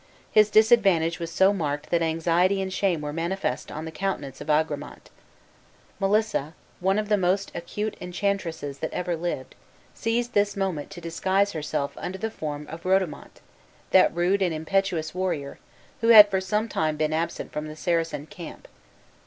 His disadvantage was so marked that anxiety and shame were manifest on the countenance of Agramant. Melissa, one of the most acute enchantresses that ever lived, seized this moment to disguise herself under the form of Rodomont, that rude and impetuous warrior, who had now for some time been absent from the Saracen camp.